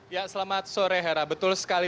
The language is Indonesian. ya selamat sore hera betul sekali